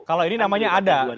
kalau ini namanya ada